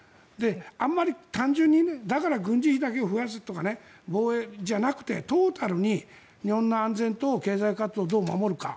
あまり単純にだから軍事費だけを増やすとか防衛じゃなくてトータルに日本の安全と経済活動をどう守るか。